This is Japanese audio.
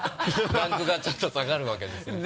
ランクがちょっと下がるわけですね。